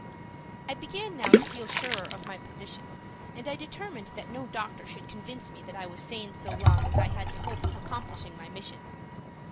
I began now to feel surer of my position, and I determined that no doctor should convince me that I was sane so long as I had the hope of accomplishing my mission.